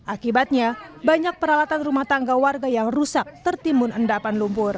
akibatnya banyak peralatan rumah tangga warga yang rusak tertimbun endapan lumpur